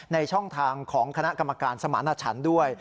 ช่องทางของคณะกรรมการสมารณชันด้วย